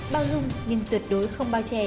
bao dung nhưng tuyệt đối không bao che